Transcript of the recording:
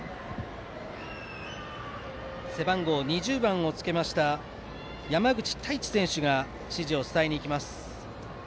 背番号２０番をつけた山口泰知選手が指示を伝えに行きます。